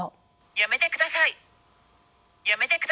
やめてください。